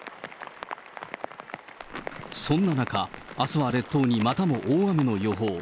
そんな中、あすは列島にまたも大雨の予報。